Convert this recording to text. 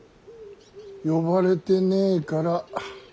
呼ばれてねえから。